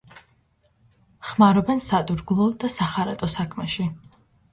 ხმარობენ სადურგლო და სახარატო საქმეში.